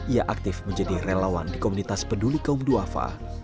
ia aktif menjadi relawan di komunitas penduli kaum duwafah